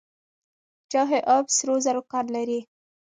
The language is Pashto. چاه اب سرو زرو کان لري؟